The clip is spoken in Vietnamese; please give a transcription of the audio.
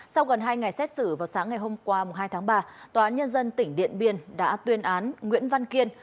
sau gần hai ngày xét xử vào sáng ngày hôm qua hai tháng ba tòa án nhân dân tỉnh điện biên đã tuyên án nguyễn văn kiên